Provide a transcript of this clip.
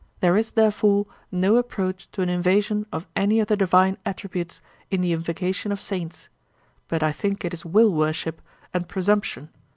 There is, therefore, no approach to an invasion of any of the divine attributes, in the invocation of saints. But I think it is will worship, and presumption.